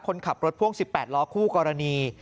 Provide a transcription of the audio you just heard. คนขับรถพ่วง๑๘ล้อคู่กรณี